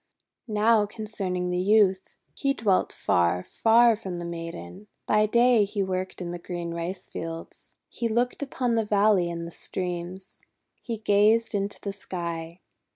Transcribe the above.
Now concerning the Youth. He dwelt far, far from the Maiden. By day he worked in the green rice fields. He looked upon the valley and the streams. He gazed into the sky.